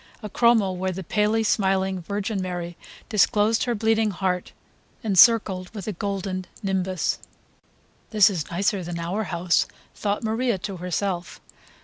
a chromo where the palely smiling Virgin Mary disclosed her bleeding heart encircled with a golden nimbus. "This is nicer than our house," thought Maria to herself.